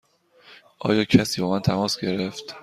آیا کسی با من تماس گرفت؟